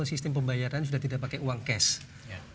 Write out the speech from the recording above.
sistem pembayaran sudah tidak pakai uang cash